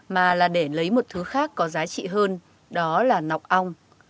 mà là để lấy một thứ khác có giá trị hơn đó là nọc ong